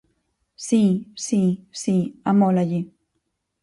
Si, si, si, amólalle.